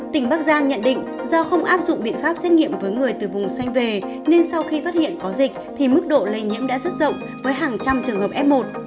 tỉnh bắc giang nhận định do không áp dụng biện pháp xét nghiệm với người từ vùng xanh về nên sau khi phát hiện có dịch thì mức độ lây nhiễm đã rất rộng với hàng trăm trường hợp f một